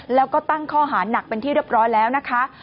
แล้วก็ตั้งข้อหาหนักเป็นที่เรียบร้อยแล้วนะคะ